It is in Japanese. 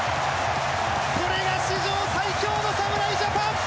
これが史上最強の侍ジャパン